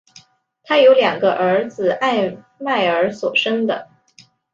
她有两个儿子艾麦尔所生的。